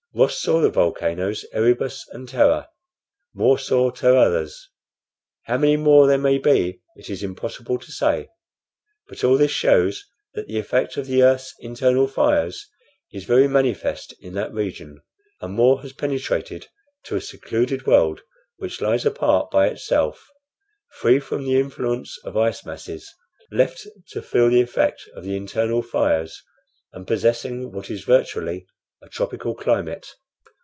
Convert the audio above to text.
Ross saw the volcanoes Erebus and Terror; More saw two others. How many more there may be it is impossible to say; but all this shows that the effect of the earth's internal fires is very manifest in that region, and More has penetrated to a secluded world, which lies apart by itself, free from the influence of ice masses, left to feel the effect of the internal fires, and possessing what is virtually a tropical climate."